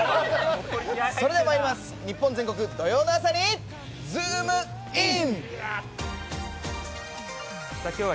それではまいります、日本全国土曜の朝にズームイン！！